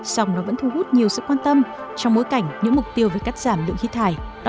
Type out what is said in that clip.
sòng nó vẫn thu hút nhiều sự quan tâm trong bối cảnh những mục tiêu về cắt giảm lượng khí thải